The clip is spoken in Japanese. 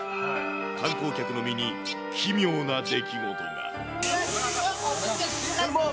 観光客の身に奇妙な出来事が。